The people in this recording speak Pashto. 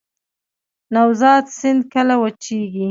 نوزاد سیند کله وچیږي؟